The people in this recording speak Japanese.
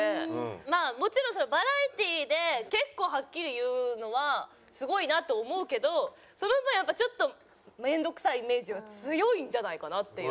まあもちろんバラエティーで結構はっきり言うのはすごいなと思うけどその分やっぱちょっと面倒くさいイメージは強いんじゃないかなっていう。